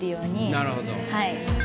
なるほど。